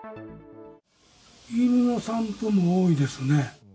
犬の散歩は多いですね。